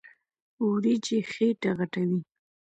وريجې خيټه غټوي.